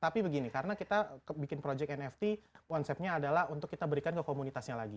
tapi begini karena kita bikin project nft konsepnya adalah untuk kita berikan ke komunitasnya lagi